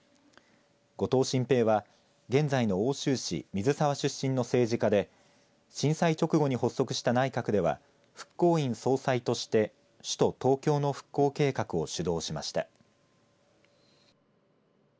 後藤新平は現在の奥州市水沢出身の政治家で震災直後に発足した内閣では復興院総裁として首都東京の復興計画を主導しました。